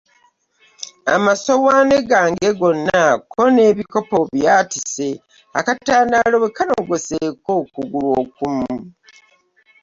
Amasowaani gange gonna ko n'ebikopo byatise akatandaalo bwe kanogozeeko okugulu okumu.